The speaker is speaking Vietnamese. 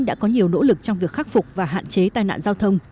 đã có nhiều nỗ lực trong việc khắc phục và hạn chế tai nạn giao thông